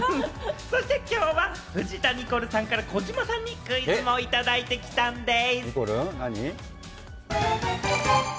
そしてきょうは藤田ニコルさんから児嶋さんにクイズをいただいてきたんでぃす！